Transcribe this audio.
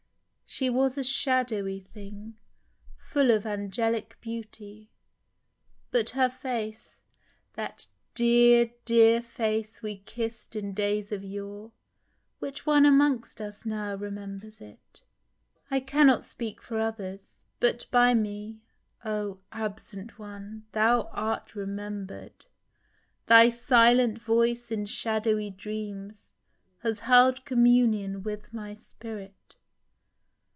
She was a shadowy thing, Full of angelic beauty ! but her face (That dear, dear face we kiss*d in days of yore), Which one amongst us now remembers it ? I cannot speak for others, but by me. Oh ! Absent One ! thou art remembered 1 Thy silent voice, in shadowy dreams. Has held communion with my spirit